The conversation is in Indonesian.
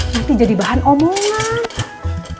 nanti jadi bahan omongan